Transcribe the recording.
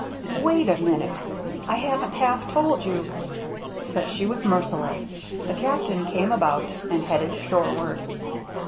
" Wait a minute — I haven't half told you —" But she was merciless. The Captain came about and headed shoreward.